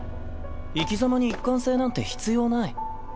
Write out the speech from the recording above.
生き様に一貫性なんて必要ない。